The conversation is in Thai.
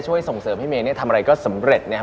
ส่งเสริมให้เมย์เนี่ยทำอะไรก็สำเร็จนะครับ